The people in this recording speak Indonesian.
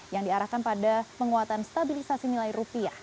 yang diarahkan pada penguatan stabilisasi nilai rupiah